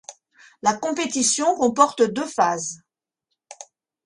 La compétition comporte deux phases.